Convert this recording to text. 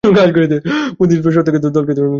বুদ্ধিদীপ্ত শট থেকে দলকে ম্যাচে ফেরালেন মানে।